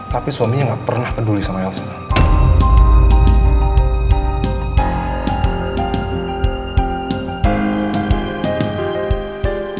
tapi suaminya gak pernah peduli sama elsa tante